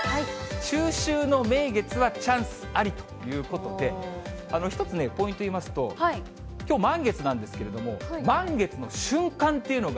中秋の名月はチャンスありということで、１つね、ポイント言いますと、きょう満月なんですけれども、瞬間？